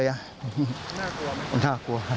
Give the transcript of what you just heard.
ก็ยังใส่กางเกงแล้วก็มีเสื้ออยู่นะคะ